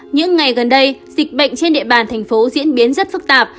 những ngày gần đây dịch bệnh trên địa bàn thành phố diễn biến rất phức tạp